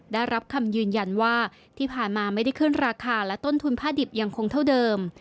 ได้รับคำยืนยันว่าที่ผ่านมาไม่ได้ขึ้นราคาและต้นทุนผ้าดิบยังคงเท่าเดิม